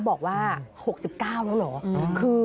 บอกว่า๖๙แล้วเหรอ